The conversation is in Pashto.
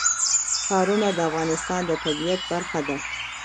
ښارونه د افغانستان د طبیعت برخه ده.